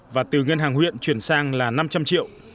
và từ ngân hàng huyện chuyển sang là năm trăm linh triệu